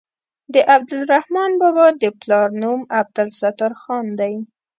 د عبدالرحمان بابا د پلار نوم عبدالستار خان دی.